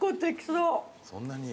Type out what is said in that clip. そんなに？